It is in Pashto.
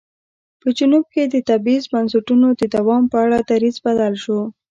په جنوب کې د تبعیض بنسټونو د دوام په اړه دریځ بدل شو.